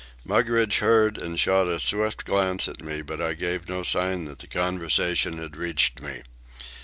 Mugridge heard and shot a swift glance at me, but I gave no sign that the conversation had reached me.